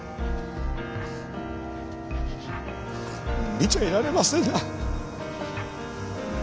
見ちゃいられませんな。